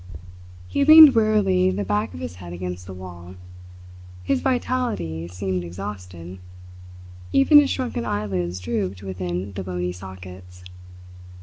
He leaned wearily the back of his head against the wall. His vitality seemed exhausted. Even his sunken eyelids drooped within the bony sockets.